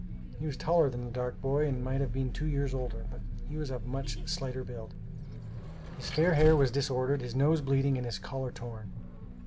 He was taller than the dark boy and might have been two years older, but he was of a much slighter build. His fair hair was disordered, his nose bleeding, and his collar torn.